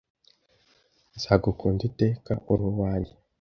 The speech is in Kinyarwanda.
Nzagukunda iteka; uri uwanjye.